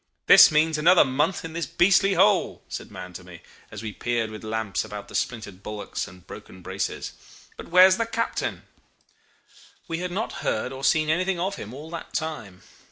'This means another month in this beastly hole,' said Mahon to me, as we peered with lamps about the splintered bulwarks and broken braces. 'But where's the captain?' "We had not heard or seen anything of him all that time.